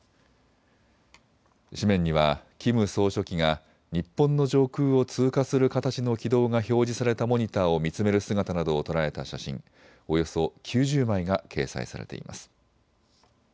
紙面にはキム総書記が日本の上空を通過する形の軌道が表示されたモニターを見つめる姿などを捉えた写真、およそ９０枚が掲載されています。